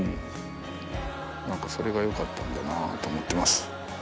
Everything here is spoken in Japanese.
なんかそれがよかったんだなと思ってます。